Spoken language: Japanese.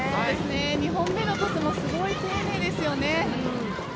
２本目のトスもすごい丁寧ですよね。